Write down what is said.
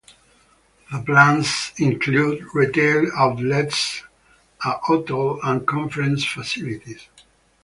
The plans included retail outlets, a hotel and conference facilities.